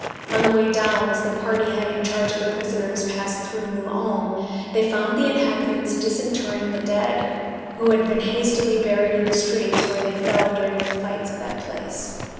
On the way down, as the party having charge of the prisoners passed through New Ulm they found the inhabitants disinterring the dead, who had been hastily buried in the streets where they fell during the fights at that place.